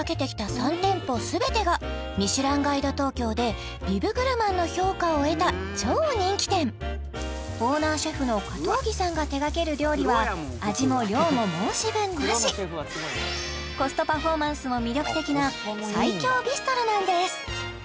３店舗すべてがミシュランガイド東京でビブグルマンの評価を得た超人気店オーナーシェフの加藤木さんが手がける料理は味も量も申し分なしコストパフォーマンスも魅力的な最強ビストロなんです